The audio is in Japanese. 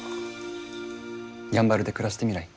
やんばるで暮らしてみない？